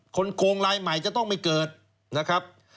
โครงลายใหม่จะต้องไม่เกิดนะครับ